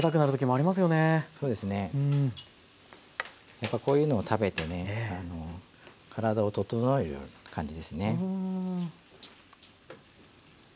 やっぱこういうのを食べてね体を整える感じですね。